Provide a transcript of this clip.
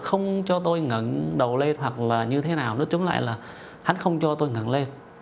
không cho tôi ngẩn đầu lên hoặc là như thế nào nói chung lại là hắn không cho tôi ngẩn lên